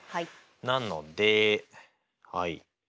なのではい。